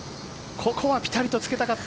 ここはピタリとつけたかった